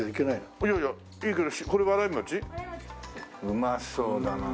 うまそうだな。